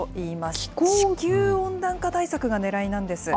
地球温暖化対策がねらいなんです。